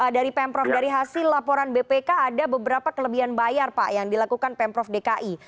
dari pemprov dari hasil laporan bpk ada beberapa kelebihan bayar pak yang dilakukan pemprov dki